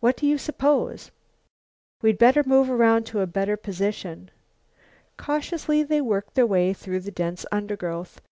"What do you suppose?" "We'd better move around to a better position." Cautiously they worked their way through the dense undergrowth.